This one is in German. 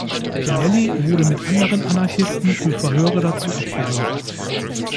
Pinelli wurde mit anderen Anarchisten für Verhöre dazu abgeholt.